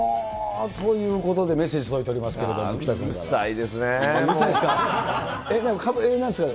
ということで、メッセージが届いておりますけれども、生田君から。